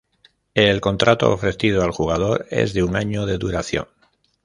El contrato ofrecido al jugador es de un año de duración.